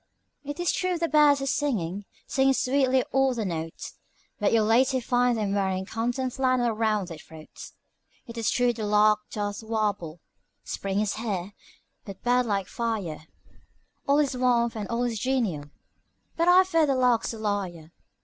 It is true the birds are singing, singing sweetly all their notes, But you'll later find them wearing canton flannel 'round their throats. It is true the lark doth warble, 'Spring is here,' with bird like fire, 'All is warmth and all is genial,' but I fear the lark's a liar.